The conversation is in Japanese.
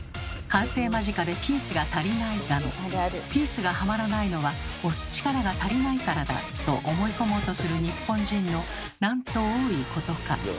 「完成間近でピースが足りない」だの「ピースがはまらないのは押す力が足りないからだ」と思い込もうとする日本人のなんと多いことか。